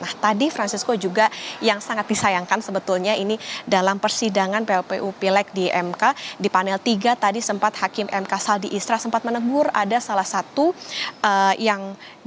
nah tadi francisco juga yang sangat disayangkan sebetulnya ini dalam persidangan plpu pileg di mk di panel tiga tadi sempat hakim mk saldi isra sempat menegur ada salah satu yang